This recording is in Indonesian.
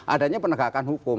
adanya penegakan hukum